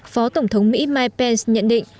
phó tổng thống mỹ mike pence nhận định